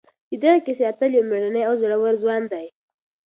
د دغې کیسې اتل یو مېړنی او زړور ځوان دی.